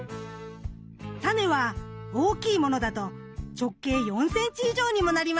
タネは大きいものだと直径４センチ以上にもなります。